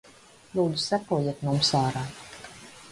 Lūdzu sekojiet mums ārā.